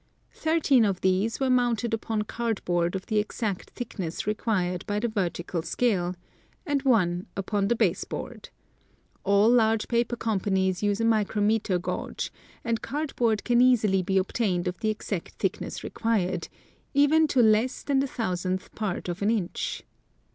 Thirteen of these were mounted upon card board of the exact thickness re quired by the vertical scale, and one upon the base board. All large paper companies use a micrometer gauge, and card board can easily be obtained of the exact thickness required — even to less than the thousandth part of an inch.